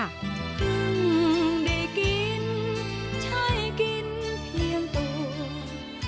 ซึ่งได้กินใช่กินเพียงตัว